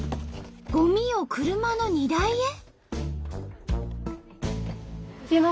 ゴミを車の荷台へ。